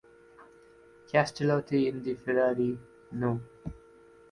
Castellotti in the Ferrari no.